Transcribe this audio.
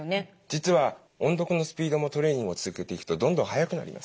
実は音読のスピードもトレーニングを続けていくとどんどん速くなります。